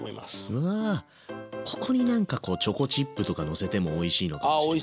うわここになんかチョコチップとかのせてもおいしいのかもしれない